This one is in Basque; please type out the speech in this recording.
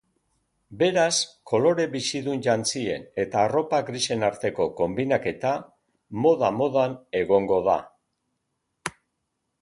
Beraz, kolore bizidun jantzien eta arropa grisen arteko konbinaketa moda-modan egongo da.